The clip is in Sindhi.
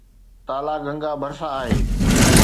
تالا گنگا ڀرسان آهي.